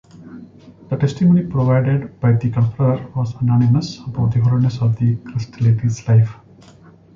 The testimony provided by the confreres was unanimous about the holiness of Crescitelli's life.